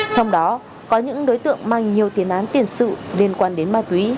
trong đó có những đối tượng mang nhiều tiền án tiền sự liên quan đến ma túy